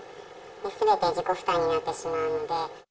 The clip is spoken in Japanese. すべて自己負担になってしまうので。